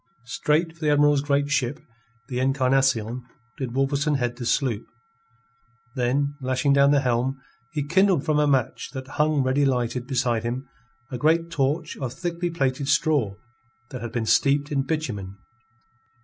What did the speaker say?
Straight for the Admiral's great ship, the Encarnacion, did Wolverstone head the sloop; then, lashing down the helm, he kindled from a match that hung ready lighted beside him a great torch of thickly plaited straw that had been steeped in bitumen.